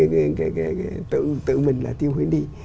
nhưng cái tự mình là tiêu hủy đi